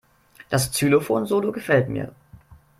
Das Xylophon-Solo gefällt mir.